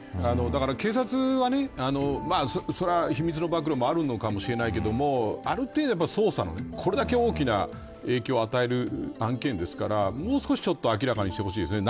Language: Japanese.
だから、警察はねそれは秘密の暴露もあるのかもしれないけどもある程度、捜査のこれだけ大きな影響を与える案件ですから、もう少しちょっと明らかにしてほしいですね。